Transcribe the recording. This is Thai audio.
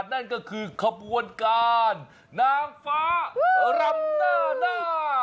นั่นก็คือขบวนการนางฟ้ารำเนอร์หน้า